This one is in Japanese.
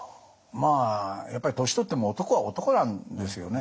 まあやっぱり年取っても男は男なんですよね。